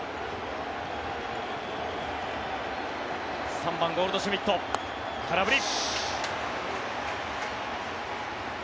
３番ゴールドシュミット、空振り。